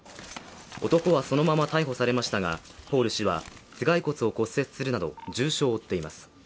男はそのまま逮捕されましたがポール氏は頭蓋骨を骨折するなど重傷を負っています。